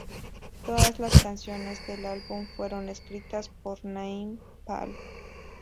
Todas las canciones del álbum fueron escritas por Nai Palm.